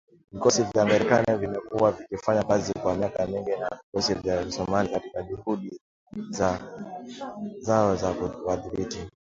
Vikosi vya Marekani vimekuwa vikifanya kazi kwa miaka mingi na vikosi vya Somalia katika juhudi zao za kuwadhibiti